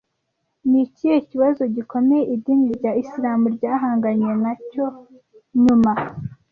Ni ikihe kibazo gikomeye idini rya Isilamu ryahanganye na cyo nyuma